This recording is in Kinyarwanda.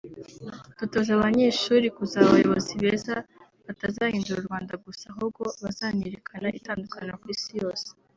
Dutoza abanyeshuri kuzaba abayobozi beza batazahindura u Rwanda gusa ahubwo bazanerekana itandukaniro ku Isi yose